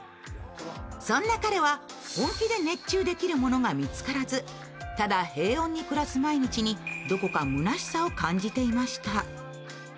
そんな彼は、本気で熱中できるものが見つからずただ平穏に暮らす毎日にどこかむなしさを感じていました。